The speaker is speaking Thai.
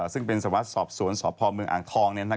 ซึ่งเป็นสวัสดิ์สอบสวนสอบพ่อเมืองอ่างทองเนี่ยนะครับ